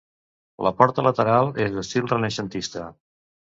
La porta lateral és d'estil renaixentista.